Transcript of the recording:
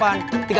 ih si ibu